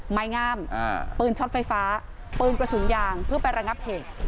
ไม้งามปืนช็อตไฟฟ้าปืนกระสุนยางเพื่อไประงับเหตุ